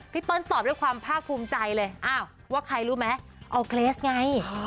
พี่เปิ้ลตอบด้วยความภาคภูมิใจเลยว่าใครรู้มั้ยออร์เกรสไง